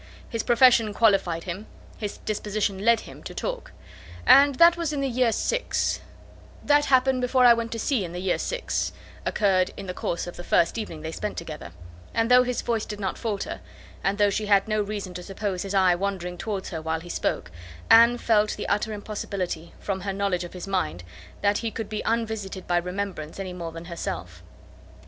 His profession qualified him, his disposition lead him, to talk; and "That was in the year six;" "That happened before I went to sea in the year six," occurred in the course of the first evening they spent together: and though his voice did not falter, and though she had no reason to suppose his eye wandering towards her while he spoke, Anne felt the utter impossibility, from her knowledge of his mind, that he could be unvisited by remembrance any more than herself.